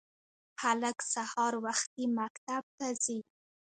هلک سهار وختي مکتب ته ځي